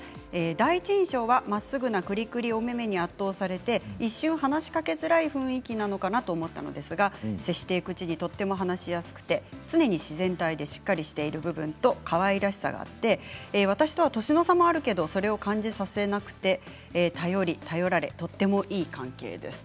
第一印象は、まっすぐなくりくりおめめに圧倒されて一瞬、話しかけづらい雰囲気なのかなと思ったのですが接していくうちにとても話しやすくて常に自然体でしっかりしている部分とかわいらしさがあって私とは年の差もあるけどそれを感じさせなくて頼り頼られうれしいです。